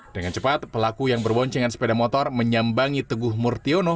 dengan cepat pelaku yang berboncengan sepeda motor menyambangi teguh murtiono